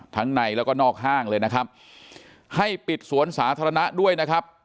ในแล้วก็นอกห้างเลยนะครับให้ปิดสวนสาธารณะด้วยนะครับ